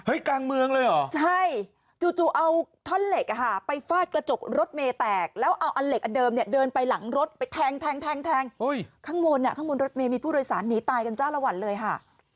กลางเมืองเลยเหรอใช่จู่เอาท่อนเหล็กไปฟาดกระจกรถเมย์แตกแล้วเอาอันเหล็กอันเดิมเนี่ยเดินไปหลังรถไปแทงแทงข้างบนอ่ะข้างบนรถเมย์มีผู้โดยสารหนีตายกันจ้าละวันเลยค่ะ